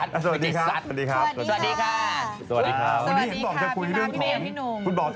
สวัสดีครับป๊าพี่เบนพี่หนุ่มสวัสดีครับสวัสดีค่ะวันนี้ที่ถึงบอกจะมีเรื่องของคุณบ่อไทย